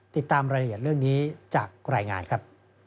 ติดตามรายละเอียดเรื่องนี้จากรายงานครับ